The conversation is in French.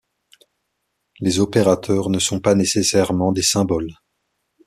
Les opérateurs ne sont pas nécessairement des symboles.